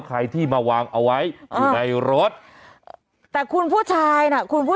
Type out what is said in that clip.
ซื้อให้มันต้องมีในกล่องไว้ล่ะ